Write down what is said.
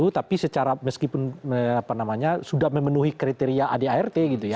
tapi secara meskipun sudah memenuhi kriteria adart gitu ya